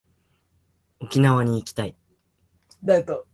沖縄に行きたい